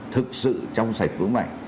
thực sự trong sạch phướng mạnh